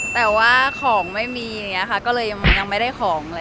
แต่ว่าของไม่มีจริงก็เลยมันยังไม่ให้ของรายการ